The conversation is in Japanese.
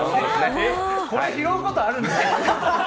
これ拾うことあるんですね。